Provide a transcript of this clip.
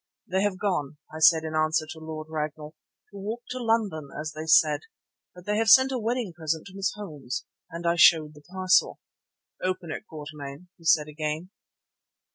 "They have gone," I said in answer to Lord Ragnall, "to walk to London as they said. But they have sent a wedding present to Miss Holmes," and I showed the parcel. "Open it, Quatermain," he said again.